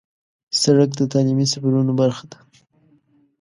سړک د تعلیمي سفرونو برخه ده.